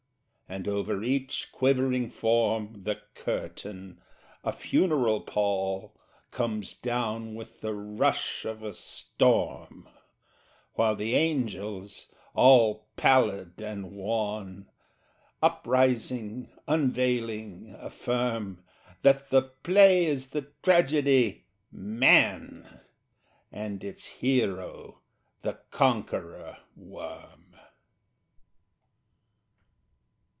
And, over each quivering form, The curtain, a funeral pall, Comes down with the rush of a storm While the angels, all pallid and wan, Uprising, unveiling, affirm That the play is the tragedy, "Man," And its hero the Conqueror Worm.